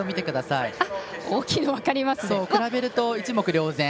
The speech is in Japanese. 比べると一目瞭然。